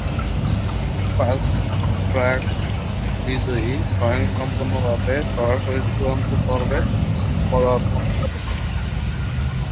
Fast track বিজয়ী স্বয়ংক্রিয়ভাবে সরাসরি চূড়ান্ত পর্বে পদার্পণ করে।